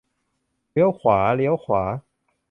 เลี้ยวขวา เลี้ยวขวา